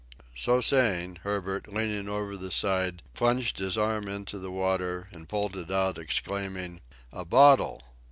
So saying, Herbert, leaning over the side, plunged his arm into the water, and pulled it out, exclaiming, "A bottle!"